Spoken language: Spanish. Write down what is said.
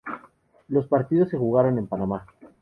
Los partidos se jugaron en Panamá.